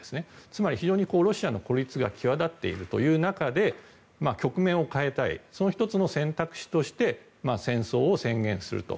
つまり非常にロシアの孤立が際立っているという中で局面を変えたいその１つの選択肢として戦争を宣言すると。